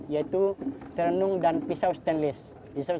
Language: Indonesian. yaitu terenung dan pisau stainless